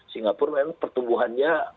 singapura memang pertumbuhannya